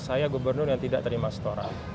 saya gubernur yang tidak terima setoran